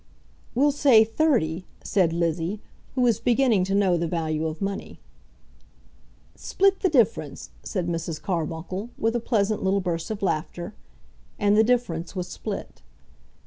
"We'll say thirty," said Lizzie, who was beginning to know the value of money. "Split the difference," said Mrs. Carbuncle, with a pleasant little burst of laughter, and the difference was split.